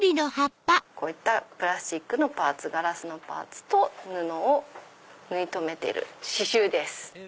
こういったプラスチックのパーツガラスのパーツと布を縫い留めてる刺繍です。